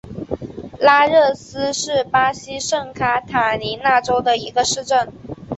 拉热斯是巴西圣卡塔琳娜州的一个市镇。